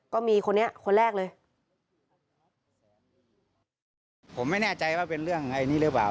ก็มีคนนี้คนแรกเลย